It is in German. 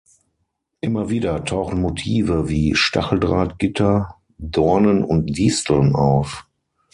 Immer wieder tauchen Motive wie Stacheldraht, Gitter, Dornen und Disteln auf.